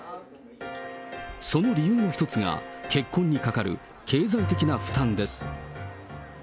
その理由の一つが、結婚にかかる経済的な負担です。